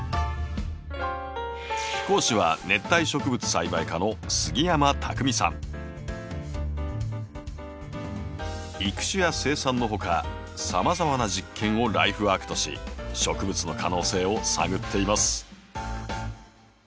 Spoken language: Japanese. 講師は育種や生産のほかさまざまな実験をライフワークとし植物の可能性を探っています。